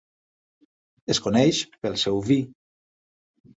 Es coneix pel seu vi.